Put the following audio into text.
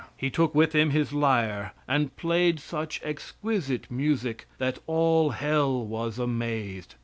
He took with him his lyre, and played such exquisite music that all hell was amazed.